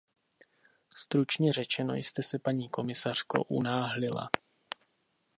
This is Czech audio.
Stručně řečeno jste se, paní komisařko, unáhlila.